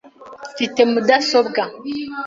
Mfite mudasobwa .